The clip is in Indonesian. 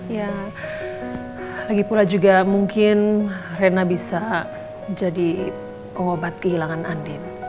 ya lagi pula juga mungkin reina bisa jadi obat kehilangan andien